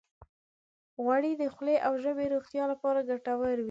غوړې د خولې او ژبې روغتیا لپاره هم ګټورې دي.